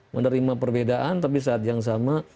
menerima perbedaan tapi saat yang sama